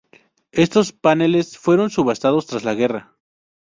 Estos paneles fueron subastados tras la guerra.